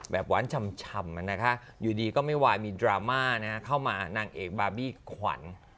หวานชำอยู่ดีก็ไม่วายมีดราม่าเข้ามานางเอกบาร์บี้ขวัญ